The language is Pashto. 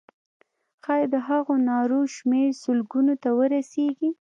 ښایي د هغو نارو شمېر سلګونو ته ورسیږي.